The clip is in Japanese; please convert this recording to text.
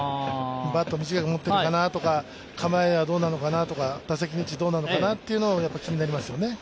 バット短く持ってるかなとか構えはどうなのかなとか、打席の位置がどうなのかなというのが気になりますよね。